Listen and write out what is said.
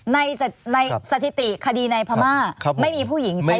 ในสถิติคดีในพม่าไม่มีผู้หญิงใช้